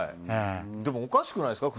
でも、おかしくないですか。